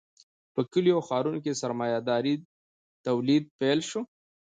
په کلیو او ښارونو کې سرمایه داري تولید پیل شو.